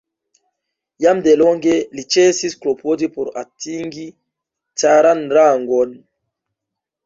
Jam delonge li ĉesis klopodi por atingi caran rangon.